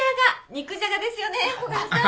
肉じゃがですよね古賀さん。